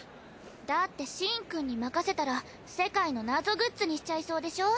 だってシンくんに任せたら世界の謎グッズにしちゃいそうでしょ。